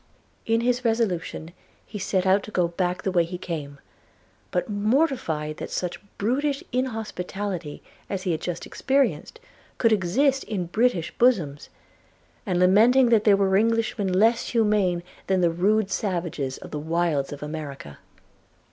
In this resolution he set out to go back the way he came, but mortified that such brutish inhospitality as he had just experienced could exist in British bosoms, and lamenting that there were Englishmen less humane than the rude savages of the wilds of America.